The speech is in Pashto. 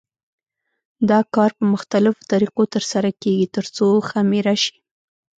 دا کار په مختلفو طریقو تر سره کېږي ترڅو خمېره شي.